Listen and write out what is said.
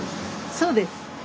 そうです。